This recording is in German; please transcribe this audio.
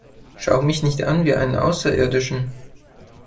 Schau mich nicht an wie einen Außerirdischen!